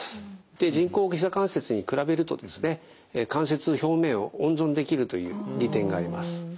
で人工ひざ関節に比べるとですね関節の表面を温存できるという利点があります。